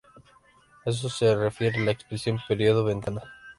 A eso se refiere la expresión Periodo ventana.